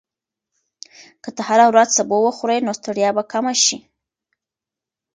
که ته هره ورځ سبو وخورې، نو ستړیا به کمه شي.